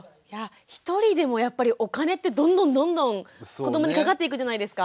１人でもやっぱりお金ってどんどんどんどん子どもにかかっていくじゃないですか。